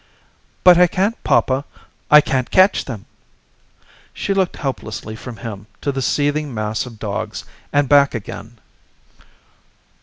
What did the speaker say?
"But I can't, papa. I can't catch them." She looked helplessly from him to the seething mass of dogs, and back again.